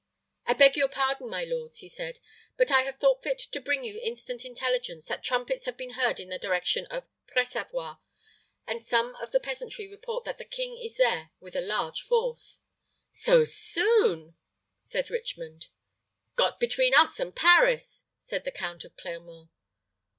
"I beg your pardon, my lords," he said; "but I have thought fit to bring you instant intelligence that trumpets have been heard in the direction of Pressavoix, and some of the peasantry report that the king is there with a large force." "So soon!" said Richmond. "Got between us and Paris!" said the Count of Clermont.